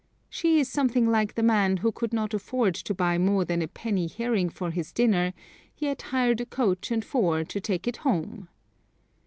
She is something like the man who could not afford to buy more than a penny herring for his dinner, yet hired a coach and four to take it home.